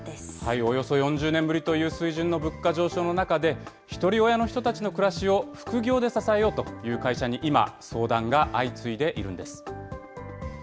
およそ４０年ぶりという水準の物価上昇の中で、ひとり親の人たちの暮らしを副業で支えようという会社に今、相談が相次いでいるんです。